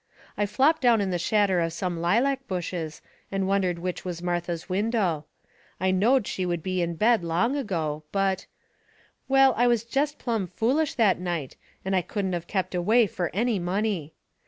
I flopped down in the shadder of some lilac bushes and wondered which was Martha's window. I knowed she would be in bed long ago, but Well, I was jest plumb foolish that night, and I couldn't of kept away fur any money.